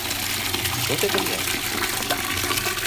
С чего ты это взял?